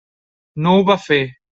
No ho va fer.